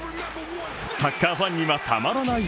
サッカーファンにはたまらない